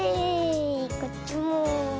こっちも。